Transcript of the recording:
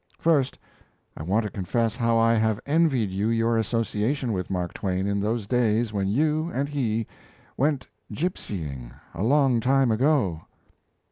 First, I want to confess how I have envied you your association with Mark Twain in those days when you and he "went gipsying, a long time ago."